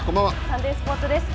サンデースポーツです。